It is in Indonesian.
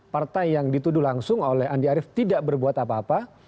partai yang dituduh langsung oleh andi arief tidak berbuat apa apa